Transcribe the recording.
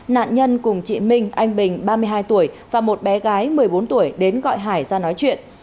nạn nhân cùng chị minh anh bình ba mươi hai tuổi và một bé gái một mươi bốn tuổi đến gọi hải ra nói chuyện